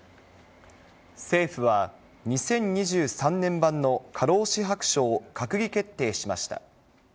政府は２０２３年版の過労死白書を閣議決定しました。